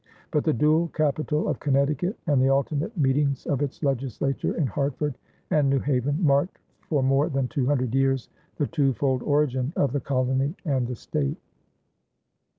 But the dual capital of Connecticut and the alternate meetings of its legislature in Hartford and New Haven, marked for more than two hundred years the twofold origin of the colony and the state.